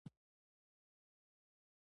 • د غاښونو درملنه یو اړین ضرورت دی.